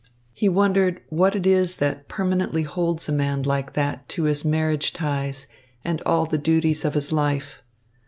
He wondered what it is that permanently holds a man like that to his marriage ties and all the duties of his life.